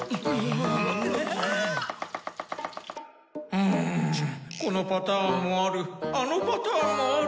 うんこのパターンもあるあのパターンもある。